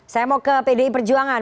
saya mau ke pdi perjuangan